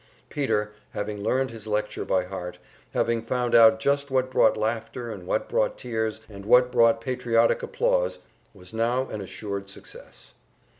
Peter, having learned his lecture by heart, having found out just what brought laughter and what brought tears and what brought patriotic applause, was now an assured success.